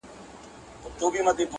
زه درته مار سومه که ته راته ښاماره سوې~